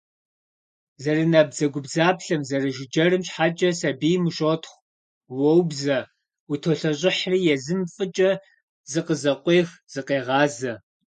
Зэрынабдзэгубдзаплъэм, зэрыжыджэрым щхьэкӀэ сабийм ущотхъу, уоубзэ, утолъэщӀыхьри, езым фӀыкӀэ зыкъызэкъуех, зыкъегъазэ.